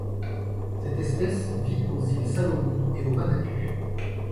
Cette espèce vit aux îles Salomon et au Vanuatu.